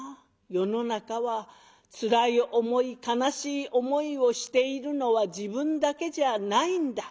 世の中はつらい思い悲しい思いをしているのは自分だけじゃないんだ。